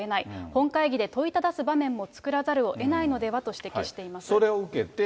本会議で問いただす場面も作らざるをえないのではと指摘していまそれを受けて。